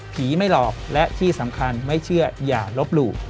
ไม่หลอกและที่สำคัญไม่เชื่ออย่าลบหลู่